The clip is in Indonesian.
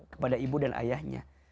kepada ibu dan ayahnya